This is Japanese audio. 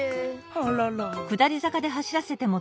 あらら。